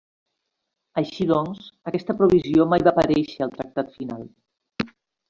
Així doncs, aquesta provisió mai va aparèixer al tractat final.